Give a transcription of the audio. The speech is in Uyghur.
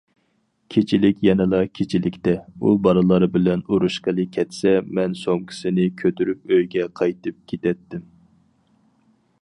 كىچىكلىك يەنىلا كىچىكلىكتە، ئۇ بالىلار بىلەن ئۇرۇشقىلى كەتسە، مەن سومكىسىنى كۆتۈرۈپ ئۆيگە قايتىپ كېتەتتىم.